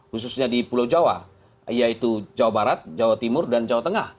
khususnya di pulau jawa yaitu jawa barat jawa timur dan jawa tengah